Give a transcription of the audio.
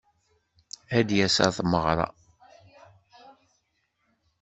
Ad d-yas ɣer tmeɣra.